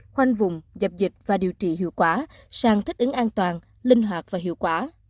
khoanh vùng dập dịch và điều trị hiệu quả sang thích ứng an toàn linh hoạt và hiệu quả